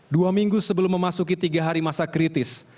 dua minggu sebelum memasuki tiga hari masa kritis